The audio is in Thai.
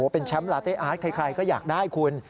เป็นแชมป์ลาเต้อาร์ตใครก็อยากได้คุณ